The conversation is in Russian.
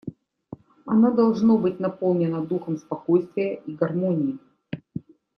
Оно должно быть наполнено духом спокойствия и гармонии.